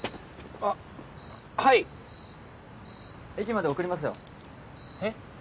あっはい駅まで送りますよえっ？